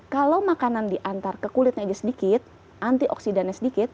kalau makanan diantar ke kulitnya sedikit antioksidannya sedikit